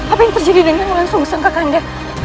apa yang terjadi dengan malang sungsang kakak anda